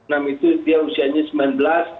namanya dia usianya sembilan belas